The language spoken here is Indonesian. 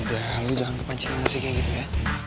udah lo jangan kepancit emosi kayak gitu ya